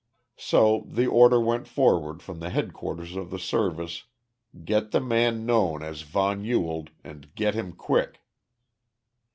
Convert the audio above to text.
So the order went forward from the headquarters of the Service, "Get the man known as von Ewald and get him quick!"